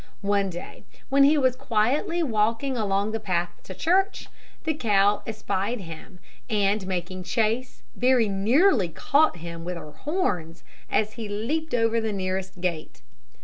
One day, when he was quietly walking along the path to church, the cow espied him, and making chase, very nearly caught him with her horns as he leaped over the nearest gate.